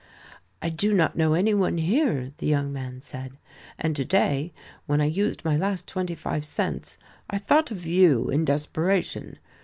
"I do not know any one here," the young man said, "and to day, when I used my last twenty five cents, I thought of you in desperation.